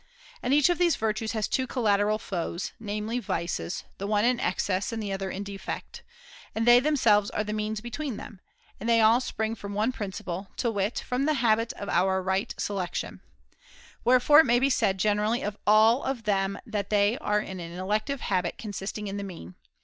And each of these virtues has two collateral foes, namely vices, the one in excess and the other in defect. And they themselves are the means between them ; and they all spring from one principle, to wit from the habit of our right [^703 selection. Wherefore it may be said generally of all of them that they are an 'elective habit consisting in the mean.'